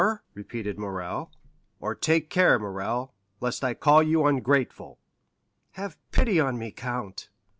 repeated Morrel. "Or, take care, Morrel, lest I call you ungrateful." "Have pity on me, count!"